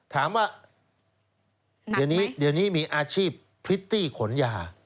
ถามว่าเดี๋ยวนี้มีอาชีพพริตตี้ขนยา